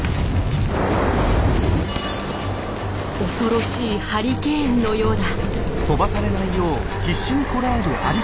恐ろしいハリケーンのようだ。